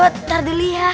bentar dulu ya